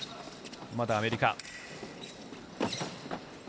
まだアメリカ。